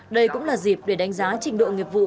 đây cũng là dịp để đánh giá trình độ nghiệp vụ